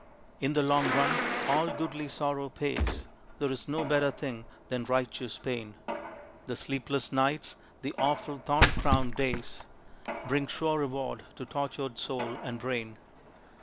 In the long run all goodly sorrow pays, There is no better thing than righteous pain, The sleepless nights, the awful thorn crowned days, Bring sure reward to tortured soul and brain.